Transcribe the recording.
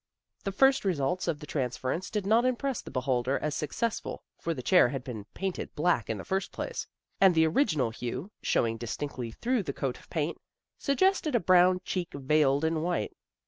The first results of the transference did not impress the beholder as successful, for the chair had been painted black in the first place, and the original hue, showing distinctly through the coat of paint, suggested a brown cheek veiled in white.